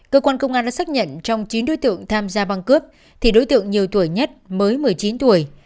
cơ quan công an đã xác nhận trong chín đối tượng tham gia băng cướp thì đối tượng nhiều tuổi nhất mới một mươi chín tuổi